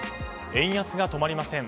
円安が止まりません。